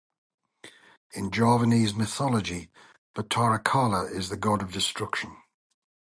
In Javanese mythology, Batara Kala is the god of destruction.